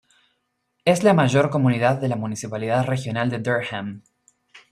Es la mayor comunidad de la Municipalidad Regional de Durham.